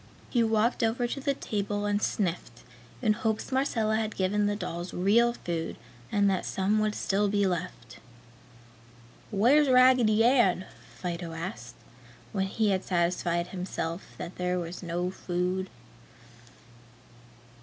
He walked over to the table and sniffed, in hopes Marcella had given the dolls real food and that some would still be left. "Where's Raggedy Ann?" Fido asked, when he had satisfied himself that there was no food.